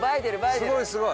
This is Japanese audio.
すごいすごい！